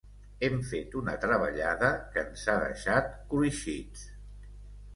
Hem fet una treballada que ens ha deixat cruixits.